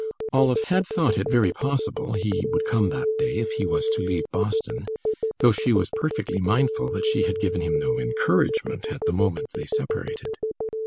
Olive had thought it very possible he would come that day if he was to leave Boston; though she was perfectly mindful that she had given him no encouragement at the moment they separated.